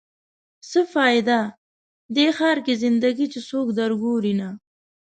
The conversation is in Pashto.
څه فایده؟ دې ښار کې زنده ګي چې څوک در ګوري نه